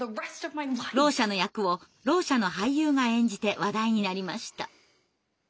ろう者の役をろう者の俳優が演じて話題になりました。